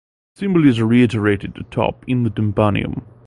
The symbol is reiterated atop in the tympanum.